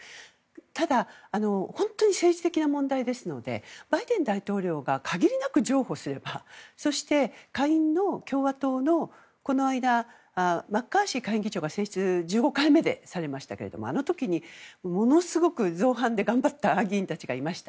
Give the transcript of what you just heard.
ただ、本当に政治的な問題ですのでバイデン大統領が限りなく譲歩すればそして、下院の共和党のこの間、マッカーシー下院議長が選出１５回目でされましたがあの時に、ものすごく造反で頑張った議員たちがいました。